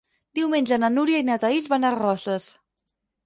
Diumenge na Núria i na Thaís van a Roses.